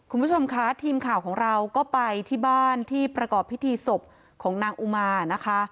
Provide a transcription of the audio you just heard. คุณผู้ชมคะทีมข่าวของเราก็ไปที่บ้านที่ประกอบพิธีศพของนางอุมานะคะ